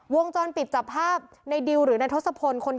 วงจรปิดจับภาพในดิวหรือนายทศพลคน